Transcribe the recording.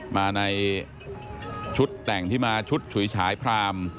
มาในชุดแต่งที่มาชุดฉุยฉายพราม